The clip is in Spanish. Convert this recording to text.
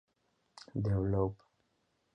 The Blob.